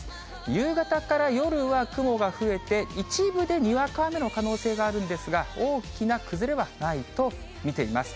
夕方から夜は雲が増えて、一部でにわか雨の可能性があるんですが、大きな崩れはないと見ています。